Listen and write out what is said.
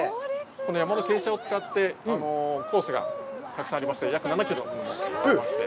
この山の傾斜を使ってコースがたくさんありまして、約７キロありまして。